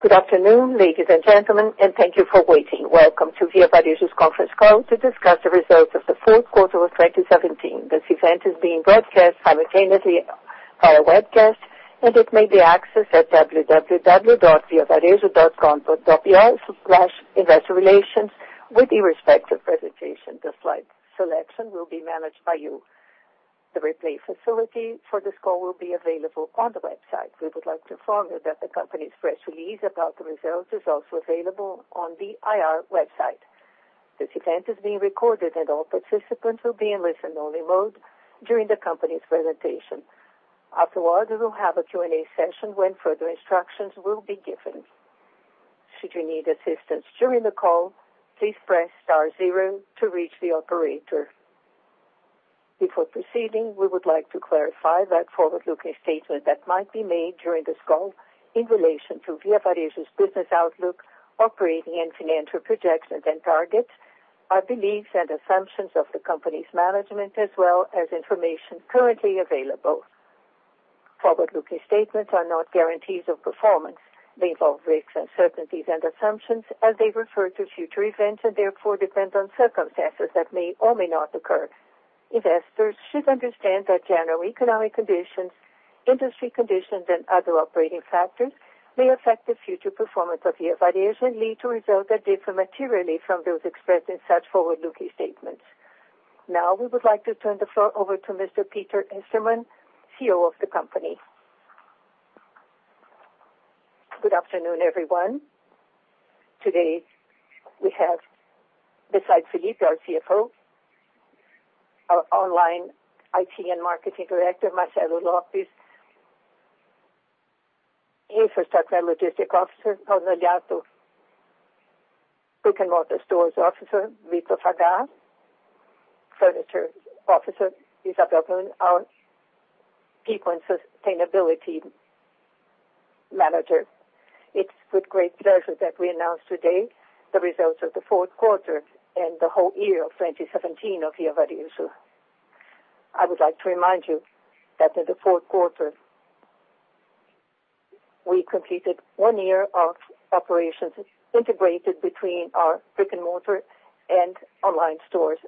Good afternoon, ladies and gentlemen. Thank you for waiting. Welcome to Via Varejo's conference call to discuss the results of the fourth quarter of 2017. This event is being broadcast simultaneously via webcast. It may be accessed at www.viavarejo.com.br/investorrelations with the respective presentation. The slide selection will be managed by you. The replay facility for this call will be available on the website. We would like to inform you that the company's press release about the results is also available on the IR website. This event is being recorded and all participants will be in listen-only mode during the company's presentation. We will have a Q&A session when further instructions will be given. Should you need assistance during the call, please press star zero to reach the operator. Before proceeding, we would like to clarify that forward-looking statements that might be made during this call in relation to Via Varejo's business outlook, operating and financial projections and targets, are beliefs and assumptions of the company's management, as well as information currently available. Forward-looking statements are not guarantees of performance. They involve risks, uncertainties, and assumptions as they refer to future events and therefore depend on circumstances that may or may not occur. Investors should understand that general economic conditions, industry conditions, other operating factors may affect the future performance of Via Varejo and lead to results that differ materially from those expressed in such forward-looking statements. We would like to turn the floor over to Mr. Peter Estermann, CEO of the company. Good afternoon, everyone. Today we have, besides Felipe, our CFO, our online IT and marketing director, Marcelo Lopes. Infrastructure and Logistics Officer, Paulo Naliato. Brick-and-Mortar Stores Officer, Rico Fagas. Furniture Officer, Isabel Gunn. Our people and sustainability manager. It's with great pleasure that we announce today the results of the fourth quarter and the whole year of 2017 of Via Varejo. I would like to remind you that in the fourth quarter, we completed one year of operations integrated between our brick-and-mortar and online stores.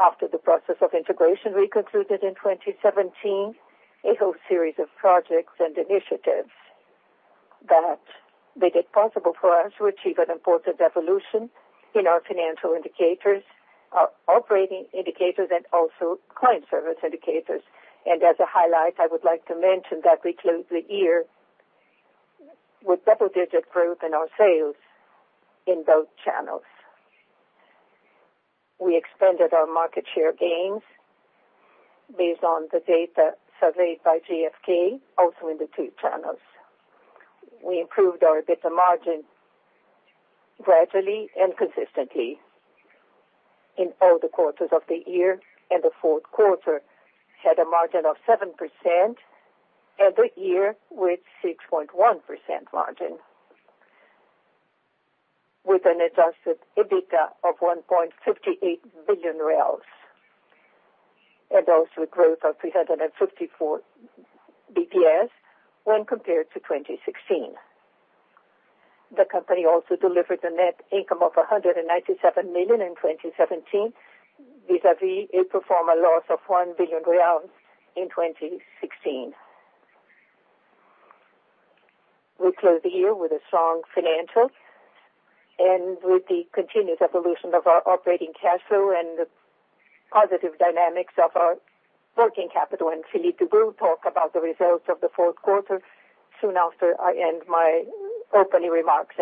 After the process of integration, we concluded in 2017 a whole series of projects and initiatives that made it possible for us to achieve an important evolution in our financial indicators, our operating indicators, also client service indicators. As a highlight, I would like to mention that we closed the year with double-digit growth in our sales in both channels. We expanded our market share gains based on the data surveyed by GfK, also in the two channels. We improved our EBITDA margin gradually and consistently in all the quarters of the year. The fourth quarter had a margin of 7%. The year with 6.1% margin. With an adjusted EBITDA of 1.58 billion, also a growth of 354 basis points when compared to 2016. The company also delivered a net income of 197 million in 2017, vis-a-vis a pro forma loss of 1 billion real in 2016. We closed the year with a strong financial and with the continued evolution of our operating cash flow and the positive dynamics of our working capital. Felipe will talk about the results of the fourth quarter soon after I end my opening remarks.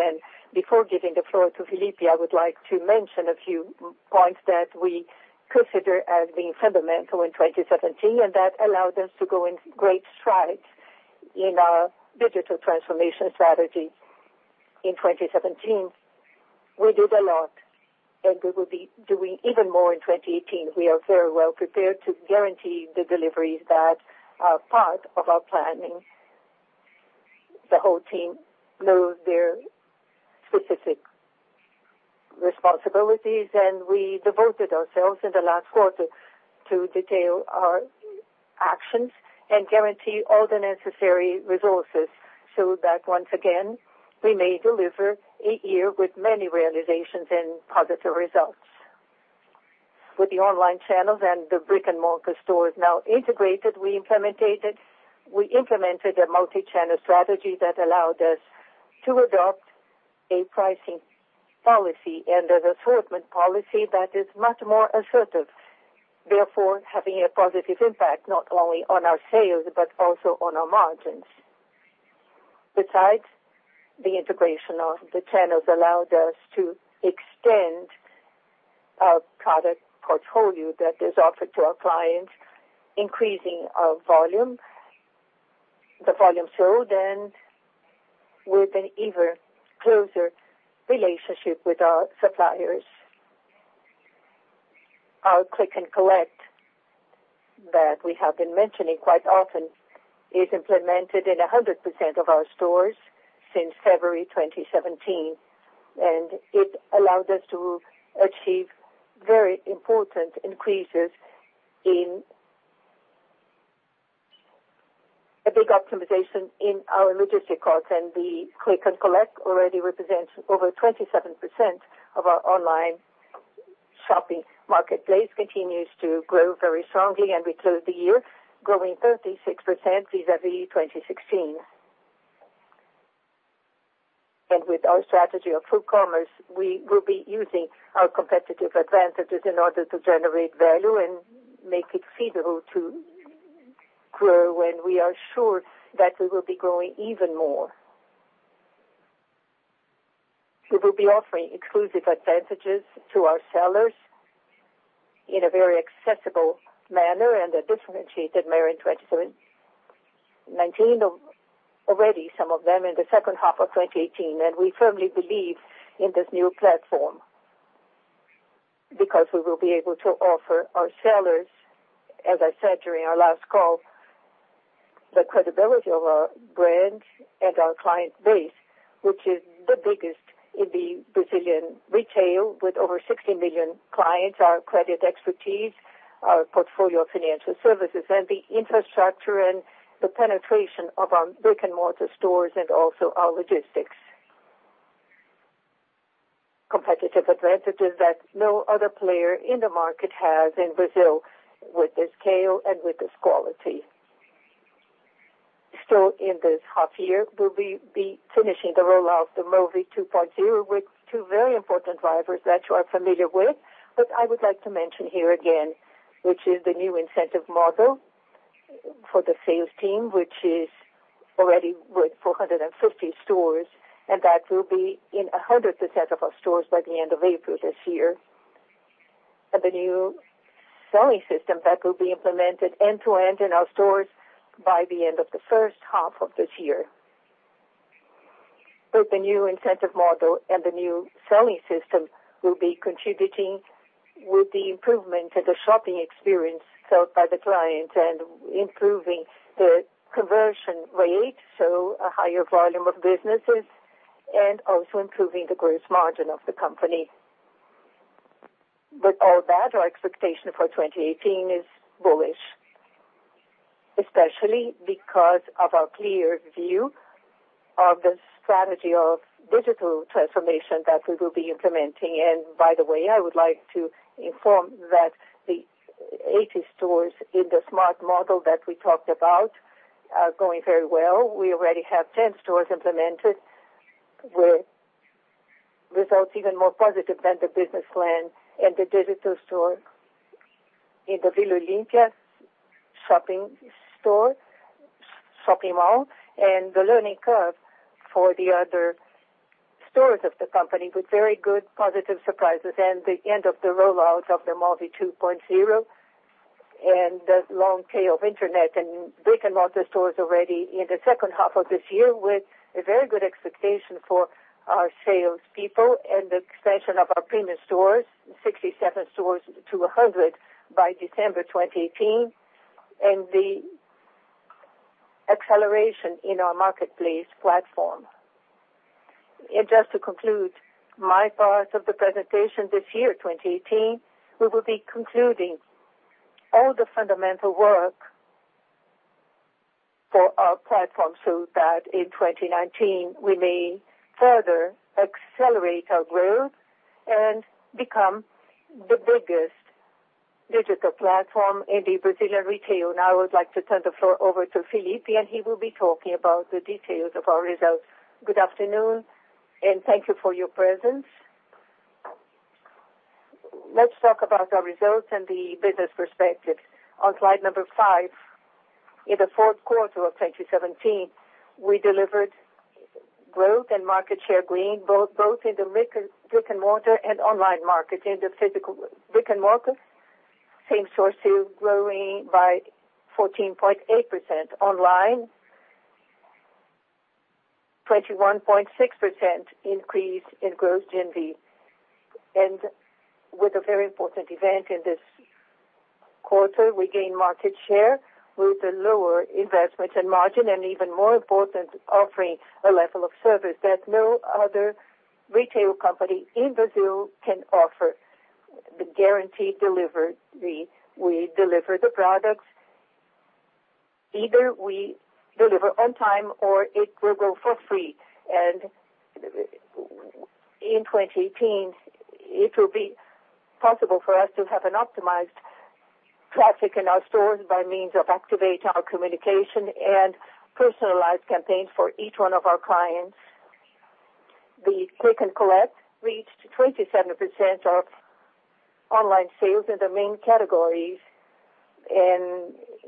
Before giving the floor to Felipe, I would like to mention a few points that we consider as being fundamental in 2017 and that allowed us to go in great strides in our digital transformation strategy in 2017. We did a lot, and we will be doing even more in 2018. We are very well prepared to guarantee the deliveries that are part of our planning. The whole team knows their specific responsibilities, and we devoted ourselves in the last quarter to detail our actions and guarantee all the necessary resources so that once again, we may deliver a year with many realizations and positive results. With the online channels and the brick-and-mortar stores now integrated, we implemented a multichannel strategy that allowed us to adopt a pricing policy and an assortment policy that is much more assertive, therefore, having a positive impact not only on our sales but also on our margins. Besides, the integration of the channels allowed us to extend our product portfolio that is offered to our clients, increasing our volume, the volume sold, and with an even closer relationship with our suppliers. Our click and collect that we have been mentioning quite often is implemented in 100% of our stores since February 2017, and it allowed us to achieve very important increases in A big optimization in our logistics costs and the click and collect already represents over 27% of our online shopping. Marketplace continues to grow very strongly and we closed the year growing 36% vis-a-vis 2016. With our strategy of full commerce, we will be using our competitive advantages in order to generate value and make it feasible to grow when we are sure that we will be growing even more. We will be offering exclusive advantages to our sellers in a very accessible manner and a differentiated manner in 2019, already some of them in the second half of 2018. We firmly believe in this new platform, because we will be able to offer our sellers, as I said during our last call, the credibility of our brand and our client base, which is the biggest in the Brazilian retail with over 60 million clients. Our credit expertise, our portfolio financial services, and the infrastructure and the penetration of our brick-and-mortar stores and also our logistics. Competitive advantages that no other player in the market has in Brazil with this scale and with this quality. Still in this half year, we'll be finishing the rollout of the Movi 2.0 with two very important drivers that you are familiar with. I would like to mention here again, which is the new incentive model for the sales team, which is already with 450 stores, and that will be in 100% of our stores by the end of April this year. The new sales system that will be implemented end-to-end in our stores by the end of the first half of this year. Both the new incentive model and the new sales system will be contributing with the improvement of the shopping experience sought by the client and improving the conversion rate, so a higher volume of businesses and also improving the gross margin of the company. With all that, our expectation for 2018 is bullish, especially because of our clear view of the strategy of digital transformation that we will be implementing. By the way, I would like to inform that the 80 smart stores that we talked about are going very well. We already have 10 stores implemented with results even more positive than the business plan and the digital store in the Vila Olímpia shopping mall. The learning curve for the other stores of the company with very good positive surprises. The end of the rollout of the Movi 2.0 and the long tail of internet and brick-and-mortar stores already in the second half of this year with a very good expectation for our salespeople and the expansion of our premium stores, 67 stores to 100 by December 2018. The acceleration in our marketplace platform. Just to conclude my part of the presentation, this year, 2018, we will be concluding all the fundamental work for our platform so that in 2019, we may further accelerate our growth and become the biggest digital platform in the Brazilian retail. Now I would like to turn the floor over to Felipe, and he will be talking about the details of our results. Good afternoon, and thank you for your presence. Let's talk about our results and the business perspective. On slide number five, in the fourth quarter of 2017, we delivered growth and market share gain, both in the brick-and-mortar and online market. In the physical brick-and-mortar, same store sales growing by 14.8%. Online, 21.6% increase in gross GMV. With a very important event in this quarter, we gained market share with a lower investment in margin and even more important, offering a level of service that no other retail company in Brazil can offer. The guaranteed delivery. We deliver the products. Either we deliver on time or it will go for free. In 2018 it will be possible for us to have an optimized traffic in our stores by means of activating our communication and personalized campaigns for each one of our clients. The click and collect reached 27% of online sales in the main categories.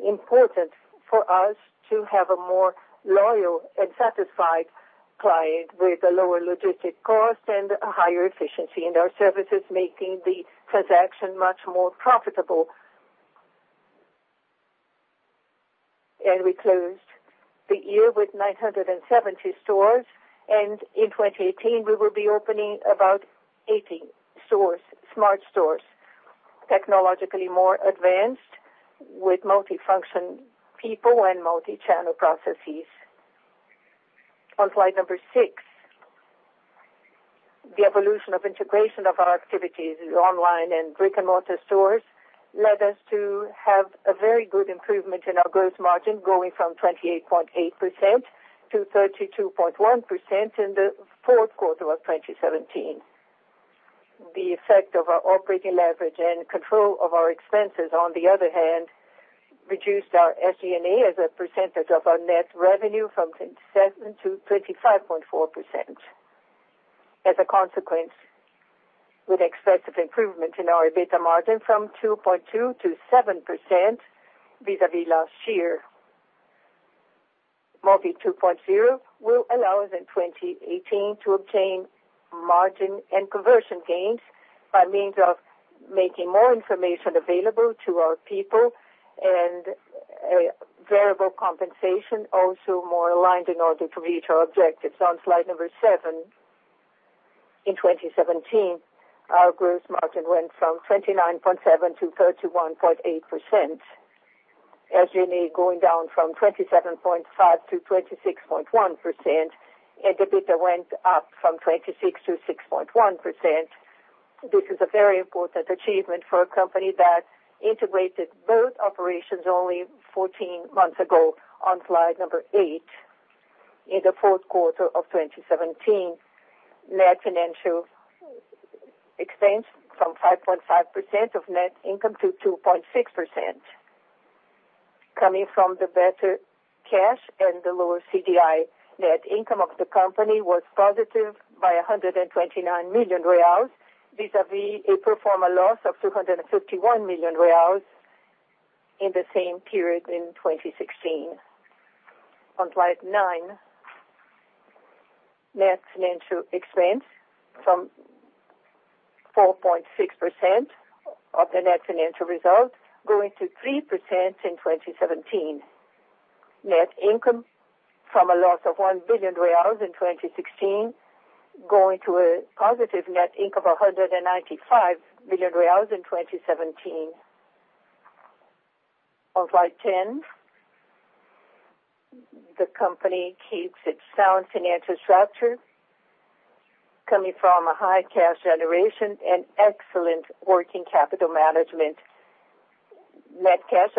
Important for us to have a more loyal and satisfied client with a lower logistic cost and a higher efficiency in our services, making the transaction much more profitable. We closed the year with 970 stores. In 2018, we will be opening about 80 smart stores, technologically more advanced with multifunction people and multichannel processes. On slide number six. The evolution of integration of our activities, online and brick-and-mortar stores, led us to have a very good improvement in our gross margin, going from 28.8% to 32.1% in the fourth quarter of 2017. The effect of our operating leverage and control of our expenses, on the other hand, reduced our SG&A as a percentage of our net revenue from 27% to 25.4%. As a consequence, with expressive improvement in our EBITDA margin from 2.2% to 7% vis-a-vis last year. Movi 2.0 will allow us in 2018 to obtain margin and conversion gains by means of making more information available to our people and a variable compensation also more aligned in order to reach our objectives. On slide number seven. In 2017, our gross margin went from 29.7% to 31.8%. SG&A going down from 27.5% to 26.1%, EBITDA went up from 26 to 6.1%. This is a very important achievement for a company that integrated both operations only 14 months ago. On slide eight. In the fourth quarter of 2017, net financial expense from 5.5% of net income to 2.6%, coming from the better cash and the lower CDI net income of the company was positive by 129 million reais vis-a-vis a pro forma loss of 251 million reais in the same period in 2016. On slide nine. Net financial expense from 4.6% of the net financial result going to 3% in 2017. Net income from a loss of 1 billion reais in 2016 going to a positive net income of 195 million reais in 2017. On slide 10. The company keeps its sound financial structure coming from a high cash generation and excellent working capital management. Net cash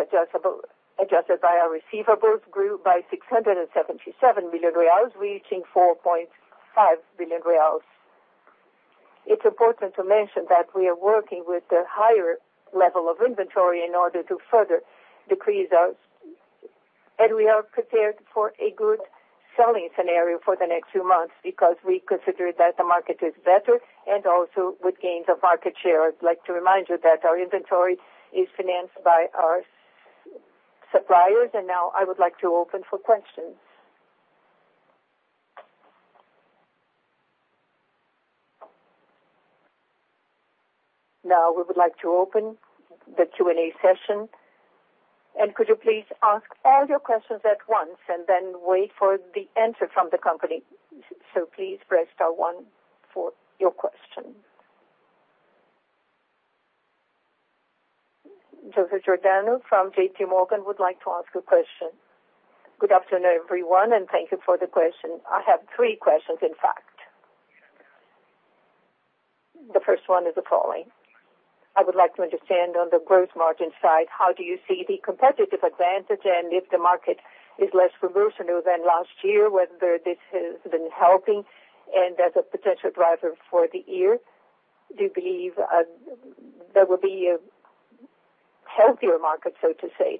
adjusted by our receivables grew by BRL 677 million, reaching BRL 4.5 billion. It is important to mention that we are working with a higher level of inventory in order to further decrease our. We are prepared for a good selling scenario for the next few months because we consider that the market is better and also with gains of market share. I would like to remind you that our inventory is financed by our suppliers. Now I would like to open for questions. Now we would like to open the Q&A session. Could you please ask all your questions at once and then wait for the answer from the company. Please press star one for your question. Joseph Giordano from JP Morgan would like to ask a question. Good afternoon, everyone, thank you for the question. I have three questions, in fact. The first one is the following. I would like to understand on the gross margin side, how do you see the competitive advantage and if the market is less promotional than last year, whether this has been helping and as a potential driver for the year. Do you believe there will be a healthier market, so to say?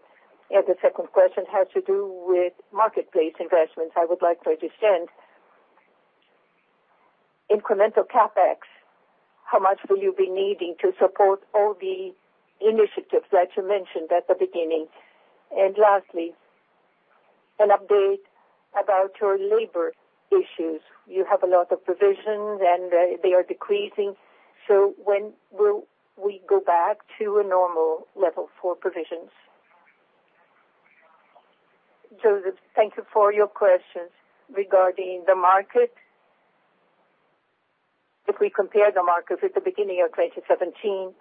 The second question has to do with marketplace investments. I would like to understand incremental CapEx. How much will you be needing to support all the initiatives that you mentioned at the beginning? Lastly, an update about your labor issues. You have a lot of provisions and they are decreasing. When will we go back to a normal level for provisions? Joseph, thank you for your questions. Regarding the market, if we compare the market with the beginning of 2017,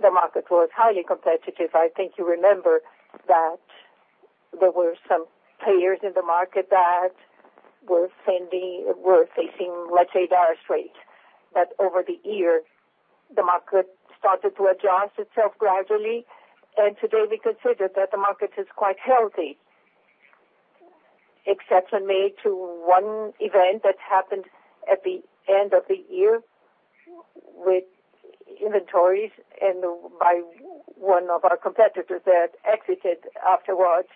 the market was highly competitive. I think you remember that there were some players in the market that were facing let's say, dire straits. Over the year, the market started to adjust itself gradually, and today we consider that the market is quite healthy. Exception made to one event that happened at the end of the year with inventories and by one of our competitors that exited afterwards.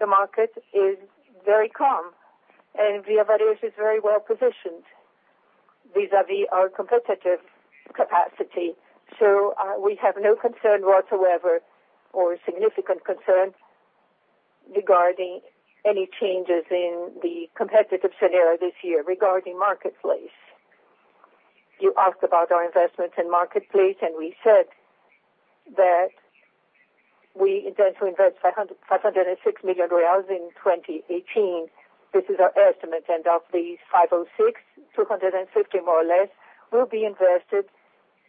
The market is very calm and Via Varejo is very well positioned vis-a-vis our competitive capacity. We have no concern whatsoever or significant concern regarding any changes in the competitive scenario this year. Regarding marketplace. You asked about our investments in marketplace, we said that we intend to invest 506 million in 2018. This is our estimate. Of these 506 million, 250 million more or less, will be invested in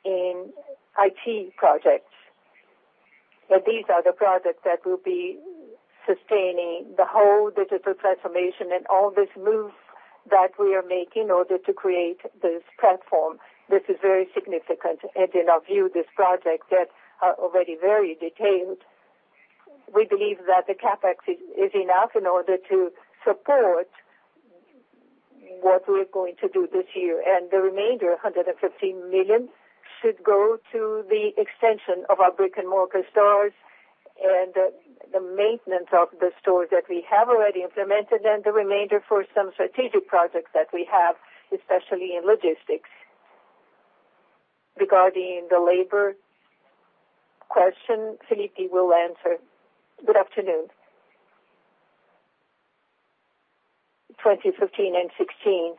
IT projects. These are the projects that will be sustaining the whole digital transformation and all this move that we are making in order to create this platform. This is very significant. In our view, these projects are already very detailed. We believe that the CapEx is enough in order to support what we're going to do this year. The remainder, 115 million, should go to the extension of our brick-and-mortar stores and the maintenance of the stores that we have already implemented, and the remainder for some strategic projects that we have, especially in logistics. Regarding the labor question, Felipe will answer. Good afternoon. 2015 and 2016,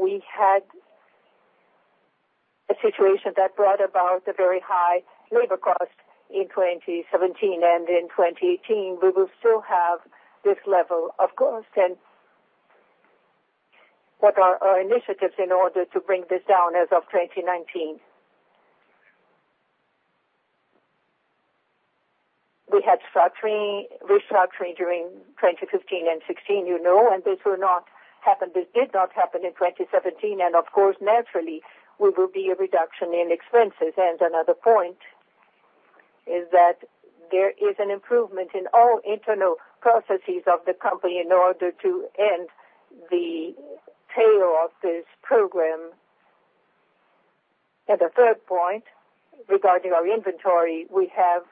we had a situation that brought about a very high labor cost in 2017, and in 2018, we will still have this level, of course. What are our initiatives in order to bring this down as of 2019? We had restructuring during 2015 and 2016, you know. This did not happen in 2017, and of course, naturally, we will be a reduction in expenses. Another point is that there is an improvement in all internal processes of the company in order to end the tail of this program. The third point, regarding our inventory, we have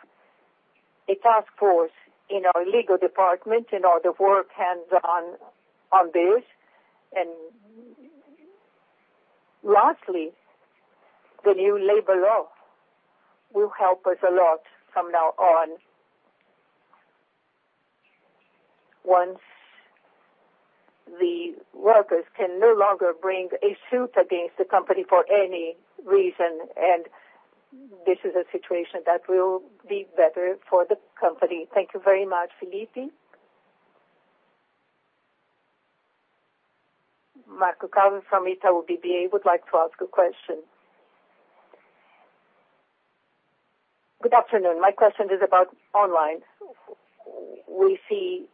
a task force in our legal department, and all the work hands on this. Lastly, the new labor law will help us a lot from now on. Once the workers can no longer bring a suit against the company for any reason, and this is a situation that will be better for the company. Thank you very much. Felipe? Marco Carlo from Itaú BBA would like to ask a question. Good afternoon. My question is about online. We see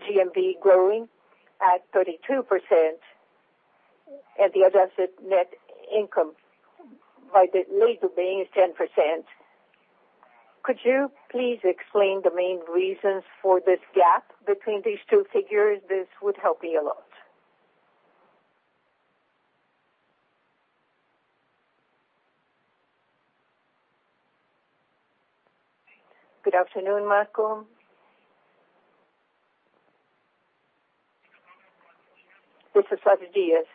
GMV growing at 32%, and the adjusted net income by the middle being 10%. Could you please explain the main reasons for this gap between these two figures? This would help me a lot. Good afternoon, Marco. This is Fabio Dias,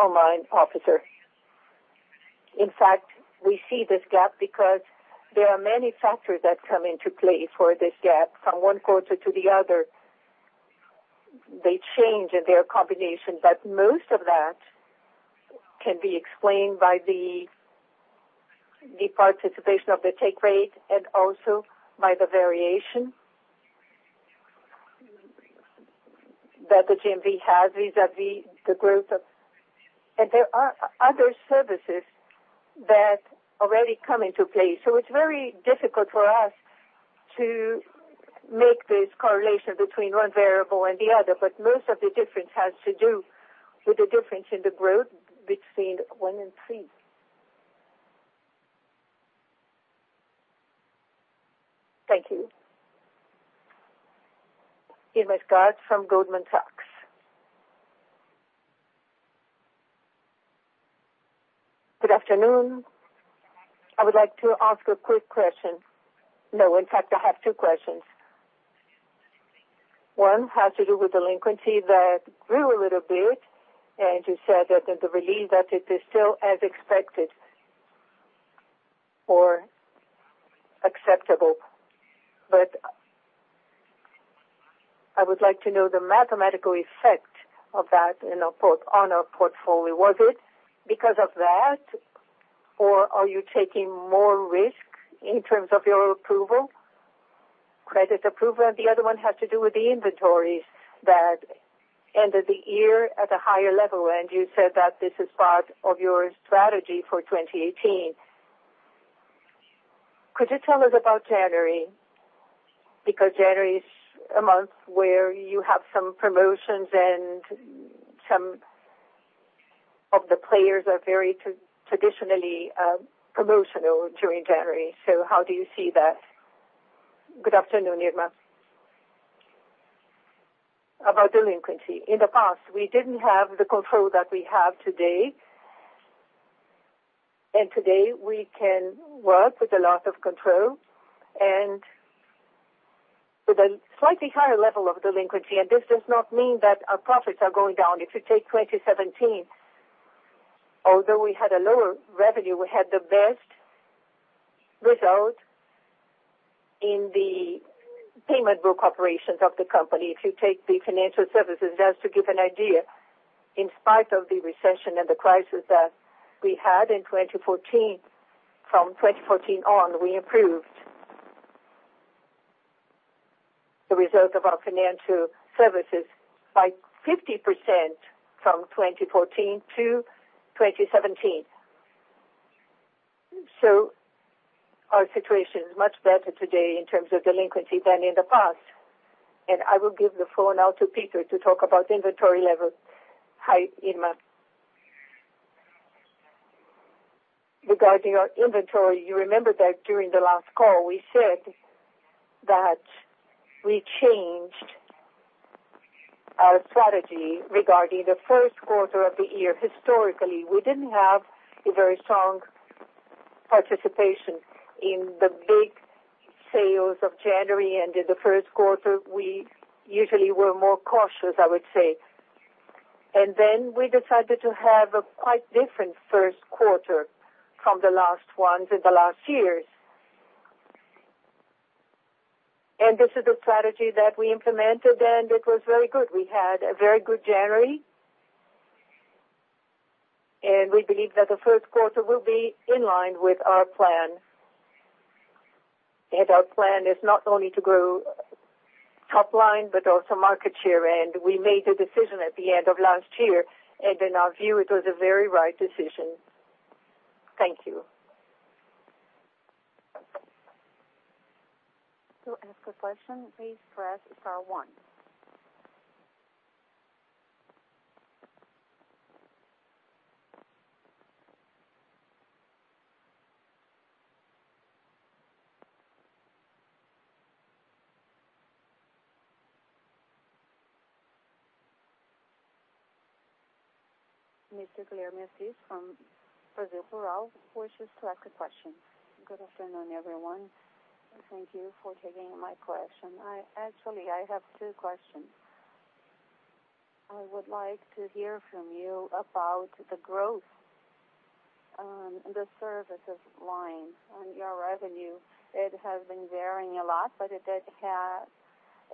Online Officer. In fact, we see this gap because there are many factors that come into play for this gap. From one quarter to the other, they change in their combination. Most of that can be explained by the participation of the take rate and also by the variation that the GMV has vis-à-vis the growth of. There are other services that already come into play. It's very difficult for us to make this correlation between one variable and the other. Most of the difference has to do with the difference in the growth between one and three. Thank you. Irma Sgarz from Goldman Sachs. Good afternoon. I would like to ask a quick question. No, in fact, I have two questions. One has to do with delinquency that grew a little bit, and you said that the relief that it is still as expected or acceptable. I would like to know the mathematical effect of that in our portfolio. Was it because of that, or are you taking more risk in terms of your credit approval? The other one has to do with the inventories that ended the year at a higher level, and you said that this is part of your strategy for 2018. Could you tell us about January? January is a month where you have some promotions and some of the players are very traditionally promotional during January. How do you see that? Good afternoon, Irma. About delinquency. In the past, we didn't have the control that we have today. Today we can work with a lot of control and with a slightly higher level of delinquency, this does not mean that our profits are going down. If you take 2017, although we had a lower revenue, we had the best result in the payment book operations of the company. If you take the financial services, just to give an idea, in spite of the recession and the crisis that we had in 2014, from 2014 on, we improved the result of our financial services by 50% from 2014 to 2017. Our situation is much better today in terms of delinquency than in the past. I will give the phone now to Peter to talk about inventory level high in month. Regarding our inventory, you remember that during the last call, we said that we changed our strategy regarding the first quarter of the year. Historically, we didn't have a very strong participation in the big sales of January and in the first quarter, we usually were more cautious, I would say. Then we decided to have a quite different first quarter from the last ones in the last years. This is the strategy that we implemented, it was very good. We had a very good January, we believe that the first quarter will be in line with our plan. Our plan is not only to grow top line, but also market share. We made a decision at the end of last year, in our view, it was a very right decision. Thank you. To ask a question, please press star one. Mr. Guilherme Assis from Brasil Plural wishes to ask a question. Good afternoon, everyone. Thank you for taking my question. Actually, I have two questions. I would like to hear from you about the growth in the services line on your revenue. It has been varying a lot, but it did have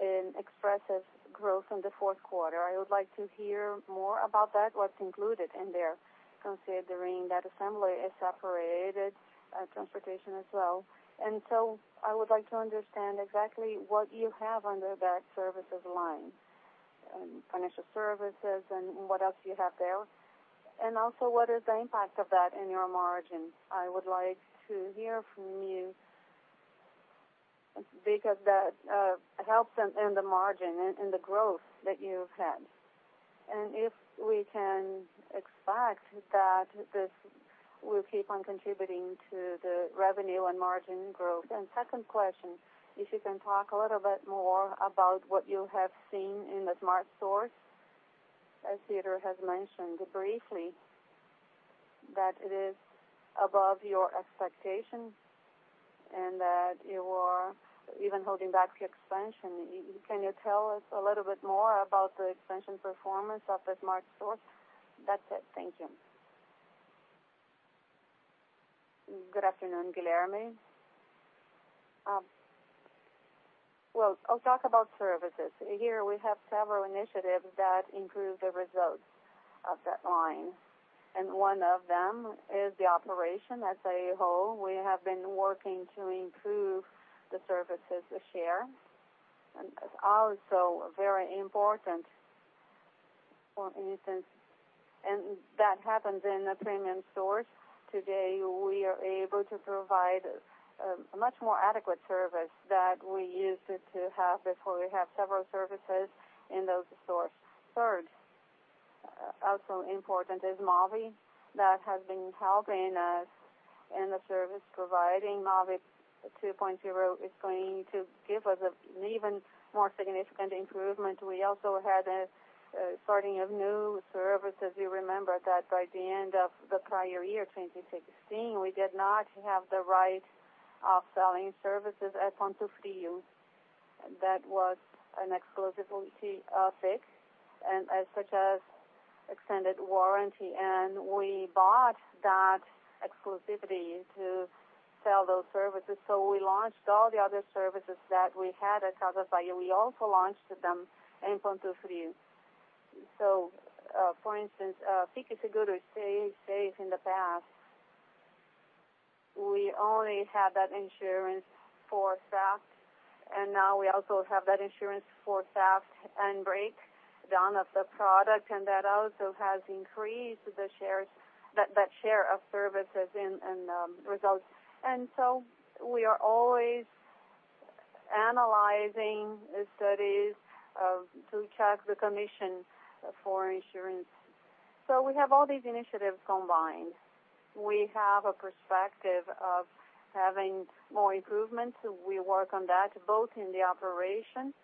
an expressive growth in the fourth quarter. I would like to hear more about that, what's included in there, considering that assembly is separated, transportation as well. So I would like to understand exactly what you have under that services line, financial services and what else you have there. Also, what is the impact of that in your margin? I would like to hear from you because that helps in the margin and the growth that you've had. If we can expect that this will keep on contributing to the revenue and margin growth. Second question, if you can talk a little bit more about what you have seen in the smart stores, as Peter has mentioned briefly, that it is above your expectation and that you are even holding back the expansion. Can you tell us a little bit more about the expansion performance of the smart stores? That is it. Thank you. Good afternoon, Guilherme. Well, I will talk about services. Here we have several initiatives that improve the results of that line, one of them is the operation as a whole. We have been working to improve the services share, it is also very important for instance, that happens in the premium stores. Today, we are able to provide a much more adequate service than we used to have before. We have several services in those stores. Third, also important is Movi that has been helping us in the service providing. Movi 2.0 is going to give us an even more significant improvement. We also had a starting of new services. You remember that by the end of the prior year, 2016, we did not have the right of selling services at Ponto Frio. That was an exclusivity of Zurich, such as extended warranty. We bought that exclusivity to sell those services. We launched all the other services that we had at Casas Bahia. We also launched them in Ponto Frio. For instance, Fique Seguro, Stay Safe in the past, we only had that insurance for theft, now we also have that insurance for theft and breakdown of the product, that also has increased that share of services and results. We are always analyzing studies to check the condition for insurance. We have all these initiatives combined. We have a perspective of having more improvements. We work on that, both in the operation,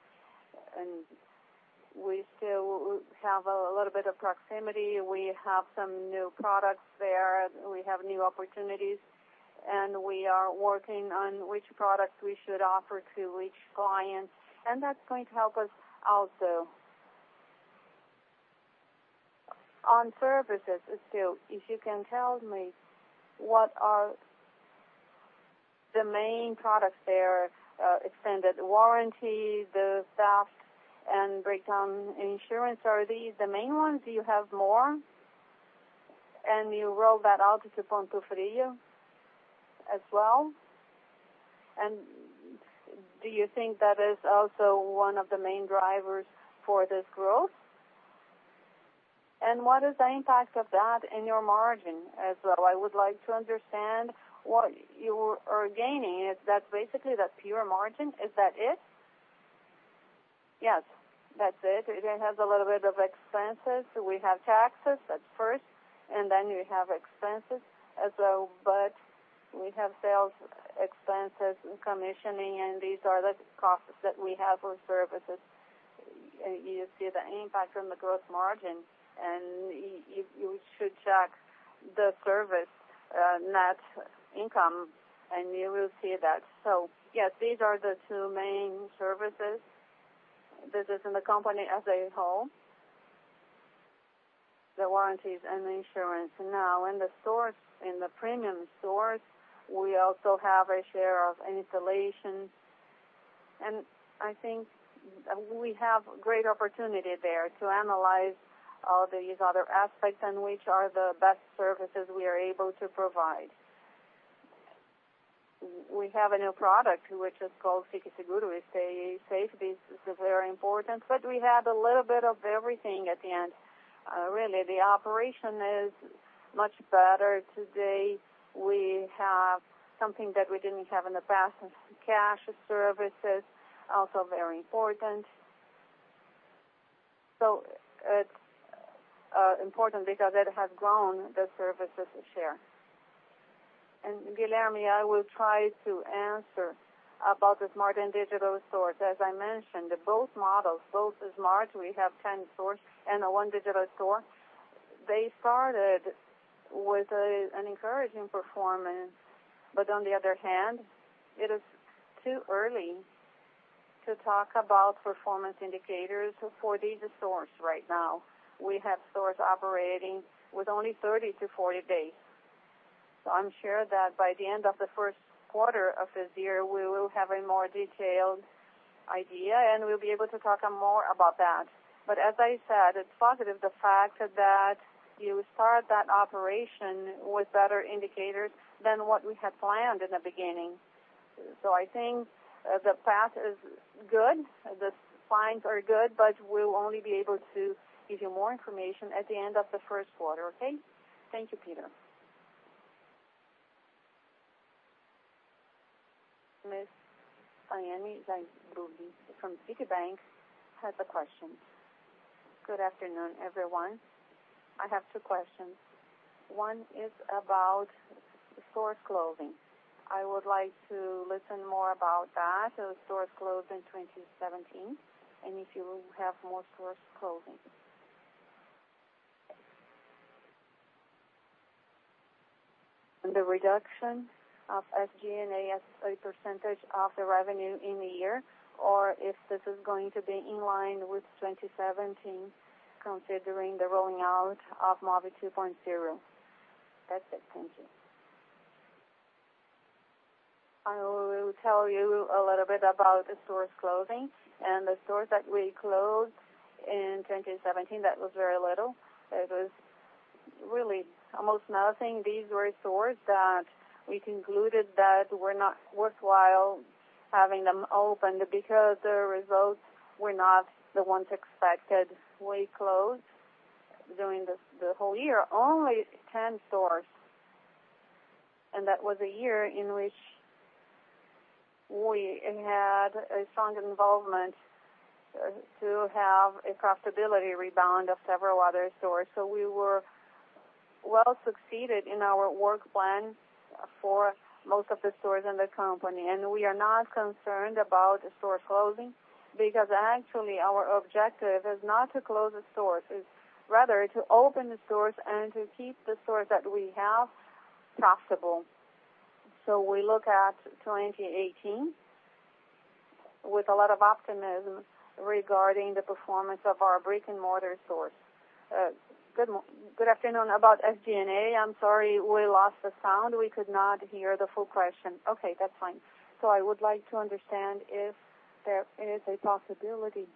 we still have a little bit of proximity. We have some new products there. We have new opportunities, we are working on which products we should offer to each client, that is going to help us also. On services still, if you can tell me what are the main products there, extended warranty, the theft and breakdown insurance, are these the main ones? Do you have more? You rolled that out to Ponto Frio as well? Do you think that is also one of the main drivers for this growth? What is the impact of that in your margin as well? I would like to understand what you are gaining. Is that basically the pure margin? Is that it? Yes. That is it. It has a little bit of expenses. We have taxes at first, then we have expenses as well, we have sales expenses and commissioning, these are the costs that we have for services. You see the impact on the gross margin, you should check the service net income, you will see that. Yes, these are the two main services. This is in the company as a whole. The warranties and the insurance. Now, in the premium stores, we also have a share of installation. I think we have great opportunity there to analyze all these other aspects and which are the best services we are able to provide. We have a new product, which is called Fique Seguro. We say safety is very important, but we have a little bit of everything at the end. Really, the operation is much better today. We have something that we didn't have in the past, cash services, also very important. It's important because it has grown the services share. Guilherme, I will try to answer about the smart and digital stores. As I mentioned, both models, both the smart, we have 10 stores, and one digital store. They started with an encouraging performance. On the other hand, it is too early to talk about performance indicators for these stores right now. We have stores operating with only 30 to 40 days. I'm sure that by the end of the first quarter of this year, we will have a more detailed idea, and we'll be able to talk more about that. As I said, it's positive the fact that you start that operation with better indicators than what we had planned in the beginning. I think the path is good, the signs are good, but we'll only be able to give you more information at the end of the first quarter, okay? Thank you, Peter. Ms. Taiane Zaiuby from Citibank has a question. Good afternoon, everyone. I have two questions. One is about store closing. I would like to listen more about that, the stores closed in 2017, and if you will have more stores closing. The reduction of SG&A as a percentage of the revenue in the year, or if this is going to be in line with 2017, considering the rolling out of Movi 2.0. That's it. Thank you. I will tell you a little bit about the stores closing. The stores that we closed in 2017, that was very little. It was really almost nothing. These were stores that we concluded that were not worthwhile having them open because the results were not the ones expected. We closed, during the whole year, only 10 stores. That was a year in which we had a strong involvement to have a profitability rebound of several other stores. We were well-succeeded in our work plan for most of the stores in the company. We are not concerned about the store closing, because actually our objective is not to close the stores. It's rather to open the stores and to keep the stores that we have profitable. We look at 2018 with a lot of optimism regarding the performance of our brick-and-mortar stores. Good afternoon. About SG&A, I'm sorry, we lost the sound. We could not hear the full question. Okay, that's fine. I would like to understand if there is a possibility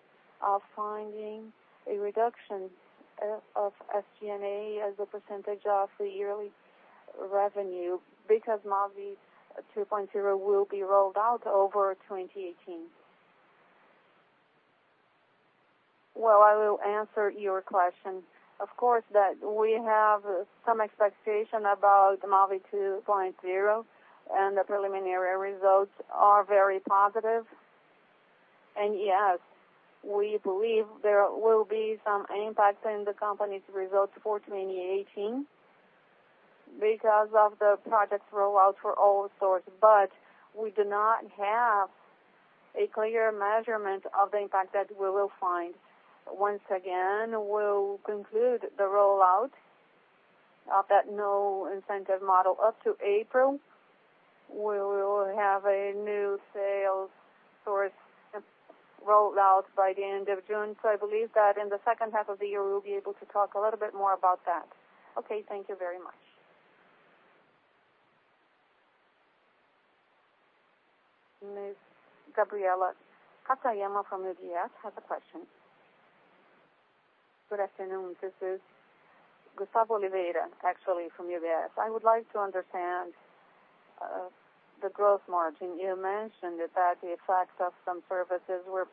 of finding a reduction of SG&A as a percentage of the yearly revenue, because Movi 2.0 will be rolled out over 2018. I will answer your question. Of course, that we have some expectation about Movi 2.0, and the preliminary results are very positive. Yes, we believe there will be some impact in the company's results for 2018 because of the project rollout for all stores. We do not have a clear measurement of the impact that we will find. Once again, we'll conclude the rollout of that new incentive model up to April. We will have a new sales source rollout by the end of June. I believe that in the second half of the year, we'll be able to talk a little bit more about that. Okay. Thank you very much. Ms. Gabriela Katayama from UBS has a question. Good afternoon. This is Gustavo Oliveira, actually from UBS. I would like to understand the gross margin. You mentioned that the effects of some services were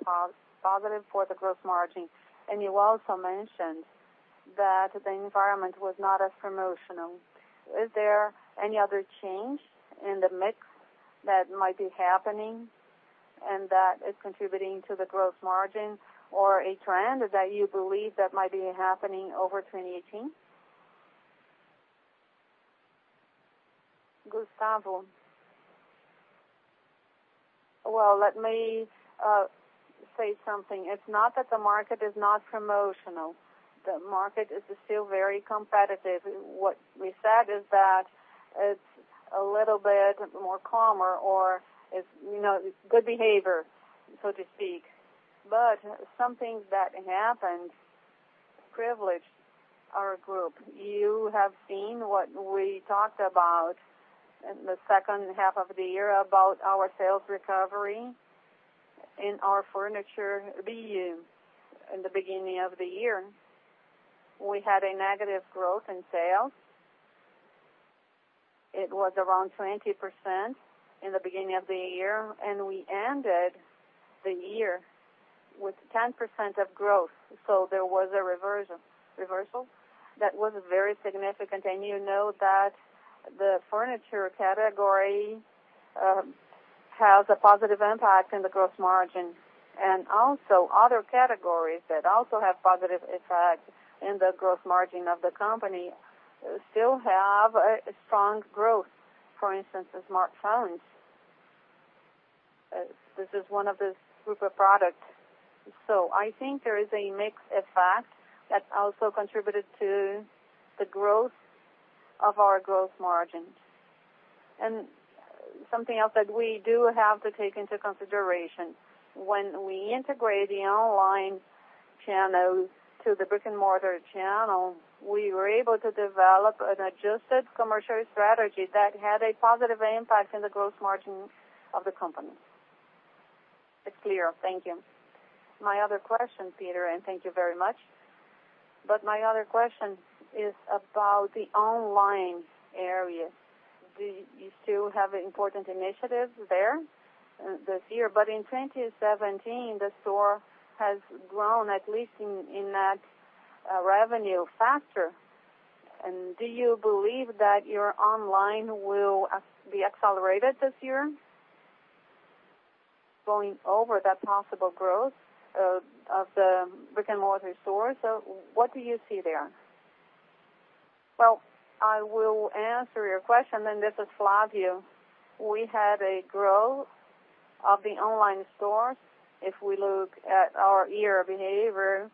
positive for the gross margin, and you also mentioned that the environment was not as promotional. Is there any other change in the mix that might be happening and that is contributing to the gross margin or a trend that you believe that might be happening over 2018? Gustavo. Well, let me say something. It's not that the market is not promotional. The market is still very competitive. What we said is that it's a little bit more calmer or it's good behavior, so to speak. Something that happened privileged our group. You have seen what we talked about in the second half of the year about our sales recovery in our furniture BU. In the beginning of the year, we had a negative growth in sales. It was around 20% in the beginning of the year, and we ended the year with 10% of growth. There was a reversal that was very significant. You know that the furniture category has a positive impact on the gross margin. Also other categories that also have positive effect in the gross margin of the company still have a strong growth. For instance, the smartphones. This is one of the Grupo products. I think there is a mix effect that also contributed to the growth of our gross margin. Something else that we do have to take into consideration, when we integrate the online channels to the brick-and-mortar channel, we were able to develop an adjusted commercial strategy that had a positive impact on the gross margin of the company. It's clear. Thank you. Peter, and thank you very much. My other question is about the online area. Do you still have important initiatives there this year? In 2017, the store has grown, at least in net revenue, faster. Do you believe that your online will be accelerated this year, going over that possible growth of the brick-and-mortar stores? What do you see there? I will answer your question, and this is Flávia. We had a growth of the online store. If we look at our year behavior,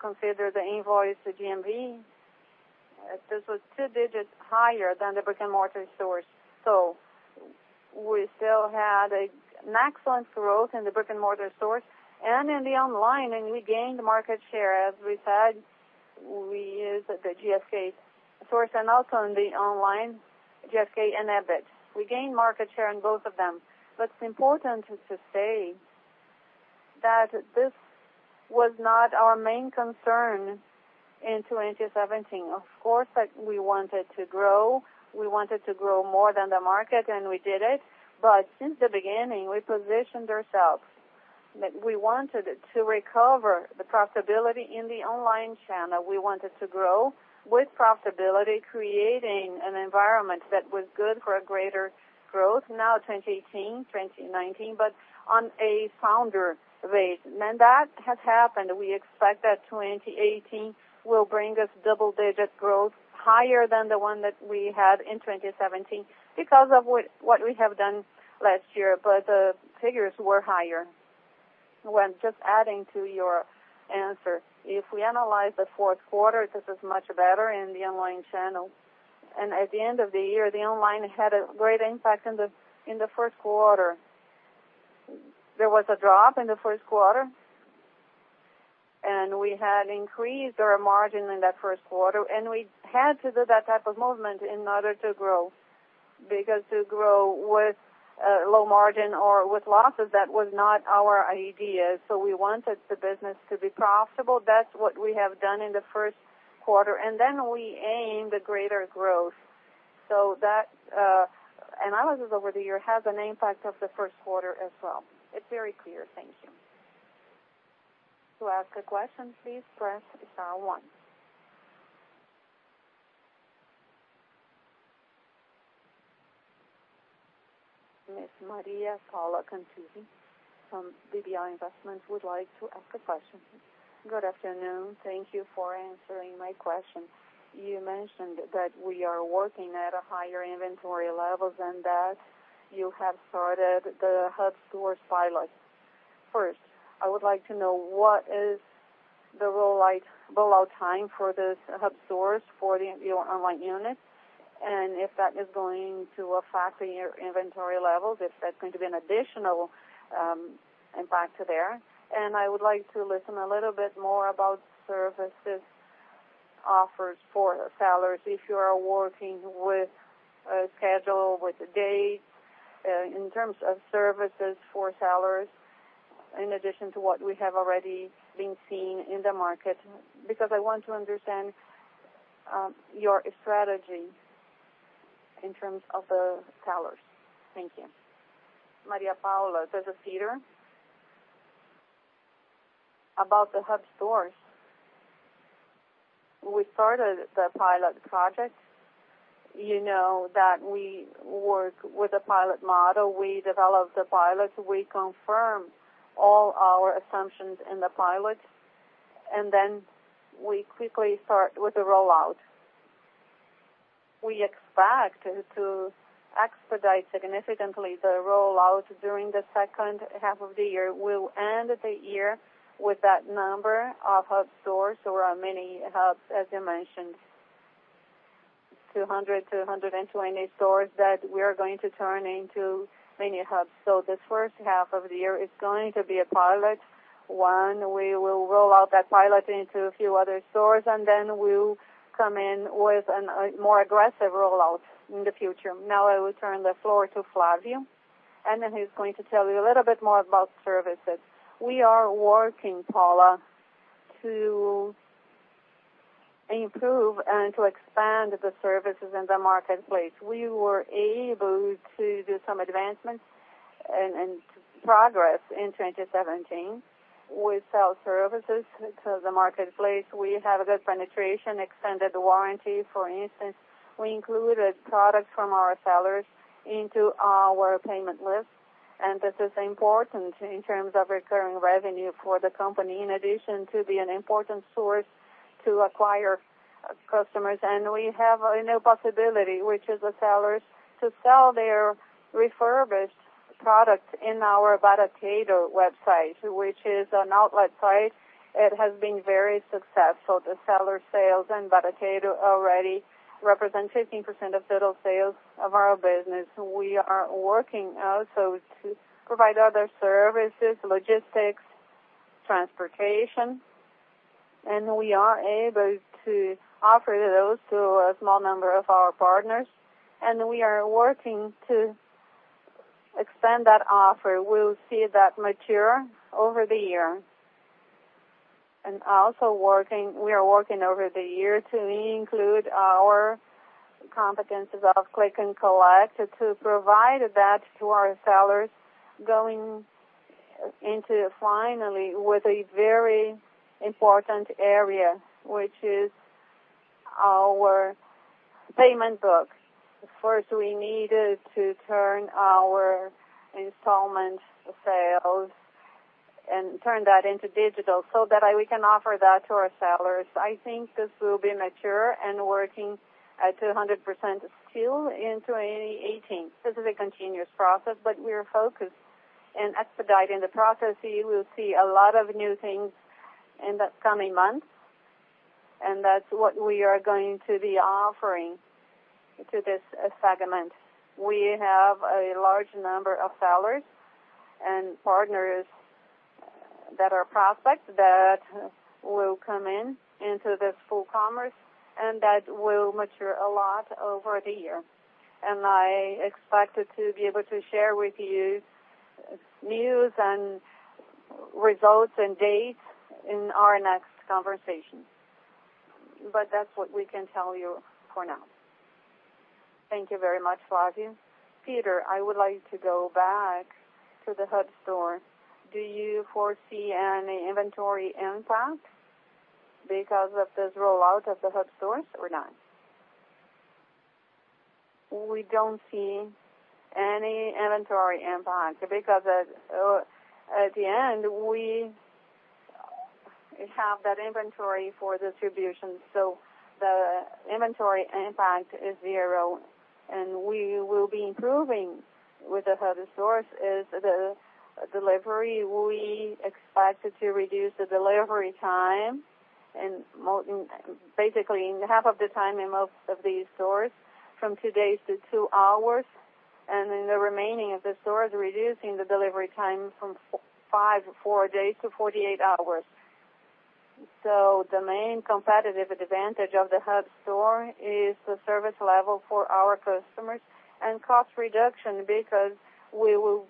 consider the invoice, the GMV, this was two digits higher than the brick-and-mortar stores. We still had an excellent growth in the brick-and-mortar stores and in the online, and we gained market share. As we said, we used the GfK source and also in the online GfK and Ebit. We gained market share on both of them. It's important to say that this was not our main concern in 2017. Of course, we wanted to grow. We wanted to grow more than the market, and we did it. Since the beginning, we positioned ourselves that we wanted to recover the profitability in the online channel. We wanted to grow with profitability, creating an environment that was good for a greater growth, now 2018, 2019, but on a sounder rate. That has happened. We expect that 2018 will bring us double-digit growth higher than the one that we had in 2017 because of what we have done last year. The figures were higher. Just adding to your answer. If we analyze the fourth quarter, this is much better in the online channel. At the end of the year, the online had a great impact in the first quarter. There was a drop in the first quarter, and we had increased our margin in that first quarter, and we had to do that type of movement in order to grow. Because to grow with low margin or with losses, that was not our idea. We wanted the business to be profitable. That's what we have done in the first quarter. Then we aimed a greater growth. That analysis over the year has an impact of the first quarter as well. It's very clear. Thank you. To ask a question, please press star one. Ms. Maria Paula Contuzzi from Bradesco BBI would like to ask a question. Good afternoon. Thank you for answering my question. You mentioned that we are working at a higher inventory level than that you have started the hub stores pilot. First, I would like to know what is the rollout time for this hub stores for the online unit, and if that is going to affect your inventory levels, if that's going to be an additional impact there. I would like to listen a little bit more about services offers for sellers if you are working with a schedule, with a date, in terms of services for sellers, in addition to what we have already been seeing in the market? I want to understand your strategy in terms of the sellers. Thank you. Maria Paula, this is Peter. About the hub stores, we started the pilot project. You know that we work with a pilot model. We developed the pilot. We confirmed all our assumptions in the pilot. We quickly start with the rollout. We expect to expedite significantly the rollout during the second half of the year. We'll end the year with that number of hub stores or mini hubs, as you mentioned, 200 to 120 stores that we are going to turn into mini hubs. This first half of the year is going to be a pilot, one, we will roll out that pilot into a few other stores. We'll come in with a more aggressive rollout in the future. I will turn the floor to Flavio. He's going to tell you a little bit more about services. We are working, Paula, to improve and to expand the services in the marketplace. We were able to do some advancements and progress in 2017. We sell services to the marketplace. We have a good penetration, extended warranty, for instance. We included products from our sellers into our payment list. This is important in terms of recurring revenue for the company, in addition to be an important source to acquire customers. We have a new possibility, which is the sellers to sell their refurbished product in our Barateiro website, which is an outlet site. It has been very successful. The seller sales in Barateiro already represent 15% of total sales of our business. We are working also to provide other services, logistics, transportation. We are able to offer those to a small number of our partners. We are working to expand that offer. We'll see that mature over the year. We are working over the year to include our competencies of click and collect to provide that to our sellers going into finally with a very important area, which is our payment books. First, we needed to turn our installment sales and turn that into digital so that we can offer that to our sellers. I think this will be mature and working at 200% still in 2018. This is a continuous process. We are focused in expediting the process. You will see a lot of new things in the coming months. That's what we are going to be offering to this segment. We have a large number of sellers and partners that are prospects that will come in into this full commerce. That will mature a lot over the year. I expected to be able to share with you news and results and dates in our next conversation. That's what we can tell you for now. Thank you very much, Flavio. Peter, I would like to go back to the hub store. Do you foresee any inventory impact because of this rollout of the hub stores or not? We don't see any inventory impact because at the end, we have that inventory for distribution, so the inventory impact is zero, and we will be improving with the hub stores is the delivery. We expect to reduce the delivery time basically in half of the time in most of these stores, from two days to two hours, and in the remaining of the stores, reducing the delivery time from five, four days to 48 hours. The main competitive advantage of the hub store is the service level for our customers and cost reduction because we will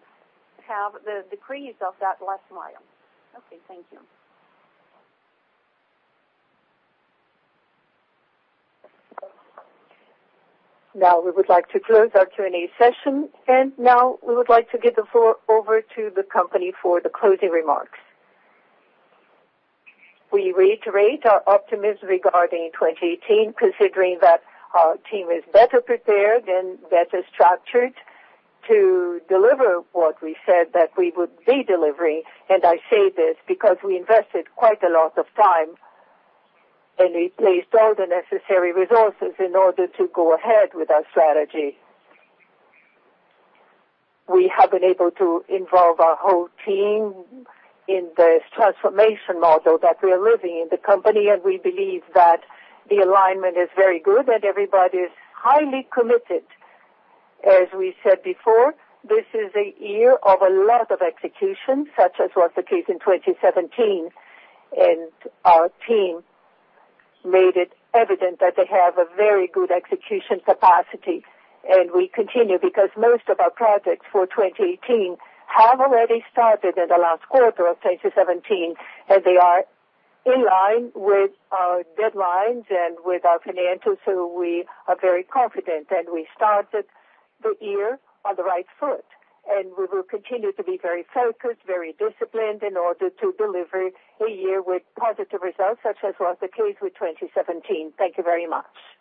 have the decrease of that last mile. Okay. Thank you. Now we would like to close our Q&A session. Now we would like to give the floor over to the company for the closing remarks. We reiterate our optimism regarding 2018, considering that our team is better prepared and better structured to deliver what we said that we would be delivering. I say this because we invested quite a lot of time. We placed all the necessary resources in order to go ahead with our strategy. We have been able to involve our whole team in this transformation model that we are living in the company. We believe that the alignment is very good and everybody is highly committed. As we said before, this is a year of a lot of execution, such as was the case in 2017. Our team made it evident that they have a very good execution capacity. We continue because most of our projects for 2018 have already started in the last quarter of 2017, and they are in line with our deadlines and with our financials, so we are very confident. We started the year on the right foot, and we will continue to be very focused, very disciplined in order to deliver a year with positive results, such as was the case with 2017. Thank you very much.